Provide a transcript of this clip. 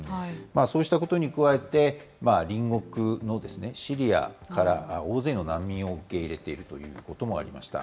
そうしたことに加えて、隣国のシリアから大勢の難民を受け入れているということもありました。